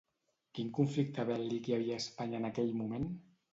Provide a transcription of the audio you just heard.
Quin conflicte bèl·lic hi havia a Espanya en aquell moment?